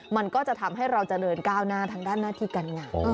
มันก็จะทำให้เราเจริญก้าวหน้าทางด้านหน้าที่การงาน